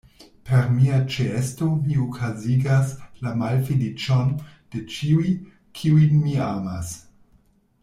Per mia ĉeesto mi okazigas la malfeliĉon de ĉiuj, kiujn mi amas.